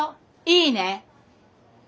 いいね！